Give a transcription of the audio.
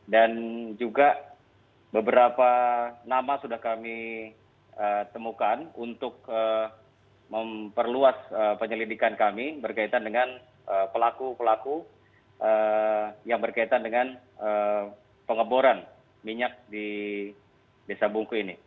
dan juga beberapa nama sudah kami temukan untuk memperluas penyelidikan kami berkaitan dengan pelaku pelaku yang berkaitan dengan pengeboran minyak di desa bungku ini